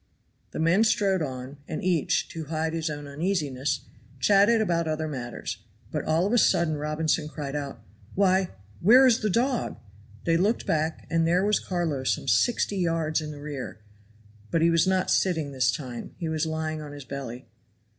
The men strode on, and each, to hide his own uneasiness, chatted about other matters; but all of a sudden Robinson cried out, "Why, where is the dog?" They looked back, and there was Carlo some sixty yards in the rear, but he was not sitting this time, he was lying on his belly.